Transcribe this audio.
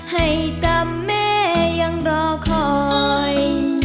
ให้จำแม่ยังรอคอย